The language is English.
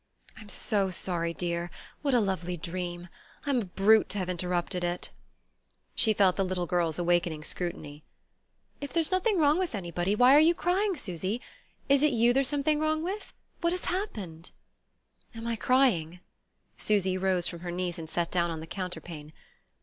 "I'm so sorry, dear. What a lovely dream! I'm a brute to have interrupted it " She felt the little girl's awakening scrutiny. "If there's nothing wrong with anybody, why are you crying, Susy? Is it you there's something wrong with? What has happened?" "Am I crying?" Susy rose from her knees and sat down on the counterpane.